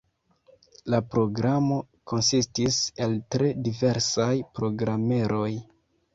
La programo konsistis el tre diversaj programeroj.